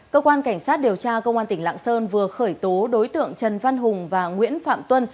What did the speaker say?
cơ quan cảnh sát điều tra công an tỉnh lạng sơn vừa khởi tố đối tượng trần văn hùng và nguyễn phạm tuân